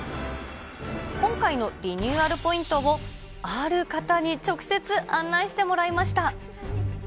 今回のリニューアルポイントを、ある方に直接案内してもらいました。